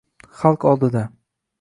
Xalq oldida